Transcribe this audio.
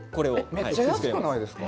めっちゃ安くないですか。